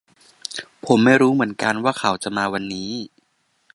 ผมไม่รู้เหมือนกันว่าเขาจะมาวันนี้